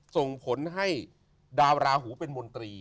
ส่งผลให้ดาวราหูเป็นมนตรี